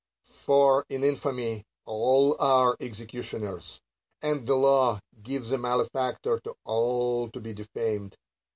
For, in infamy, all are executioners ; and the law gives a malefactor to all to be defamed.